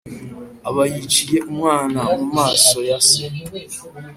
aba yiciye umwana mu maso ya se.